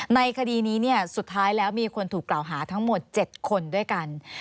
ในคดีนี้สุดท้ายแล้วมีคนถูกกล่าวหาทั้งหมด๗คนด้วยกัน